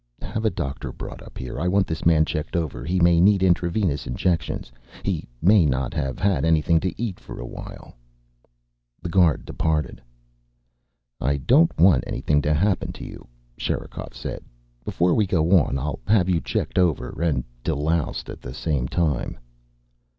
"Have a doctor brought up here. I want this man checked over. He may need intravenous injections. He may not have had anything to eat for awhile." The guard departed. "I don't want anything to happen to you," Sherikov said. "Before we go on I'll have you checked over. And deloused at the same time."